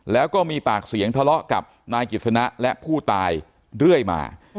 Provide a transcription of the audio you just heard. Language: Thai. แล้วก็มีปากเสียงทะเลาะกับนายกิจสนะและผู้ตายเรื่อยมา